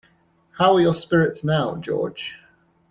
How are your spirits now, George?